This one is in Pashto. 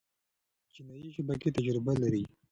جنایي شبکې تجربه لري.